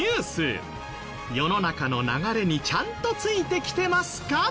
世の中の流れにちゃんとついてきてますか？